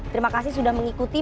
terima kasih sudah mengikuti